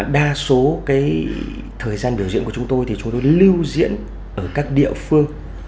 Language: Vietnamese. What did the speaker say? đa số cái thời gian biểu diễn của chúng tôi thì chúng tôi lưu diễn ở các địa phương